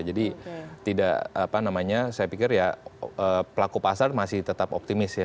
jadi tidak apa namanya saya pikir ya pelaku pasar masih tetap optimis ya